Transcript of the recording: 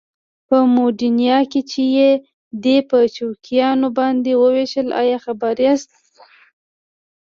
په موډینا کې چې یې دی په چوکیانو باندې وويشتل ایا خبر یاست؟